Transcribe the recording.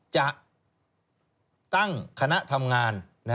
จะตั้งคณะทำงาน